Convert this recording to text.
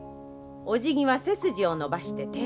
おじぎは背筋を伸ばして丁寧に。